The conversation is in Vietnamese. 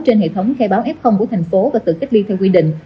trên hệ thống khai báo f của thành phố và tự kết liên theo quy định